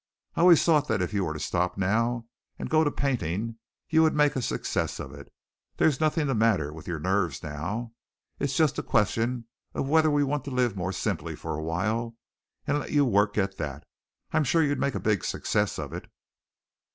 I've always thought that if you were to stop now and go to painting you would make a success of it. There's nothing the matter with your nerves now. It's just a question of whether we want to live more simply for a while and let you work at that. I'm sure you'd make a big success of it."